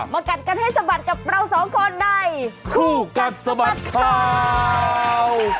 กัดกันให้สะบัดกับเราสองคนในคู่กัดสะบัดข่าว